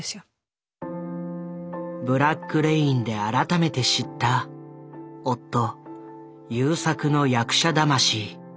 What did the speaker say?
「ブラック・レイン」で改めて知った夫優作の役者魂。